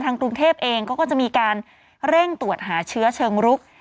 กรุงเทพเองก็จะมีการเร่งตรวจหาเชื้อเชิงรุก